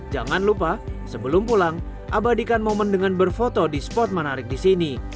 jangan lupa sebelum pulang abadikan momen dengan berfoto di spot menarik di sini